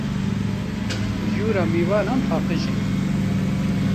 Jûra mêvanan paqij e.